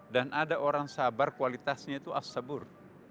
dan ada orang sabar kualitasnya itu as sabur